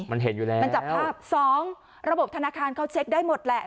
มันเห็นอยู่แล้วมันจับภาพสองระบบธนาคารเขาเช็คได้หมดแหละ